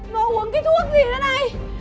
nó uống cái thuốc gì nữa này